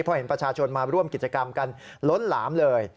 เพราะเห็นประชาชนมาร่วมกิจกรรมกันล้นหลามเลย